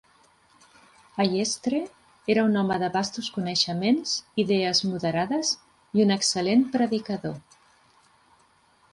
Allestree era un home de vastos coneixements, idees moderades i un excel·lent predicador.